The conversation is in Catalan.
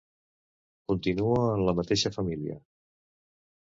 Continua en la mateixa família.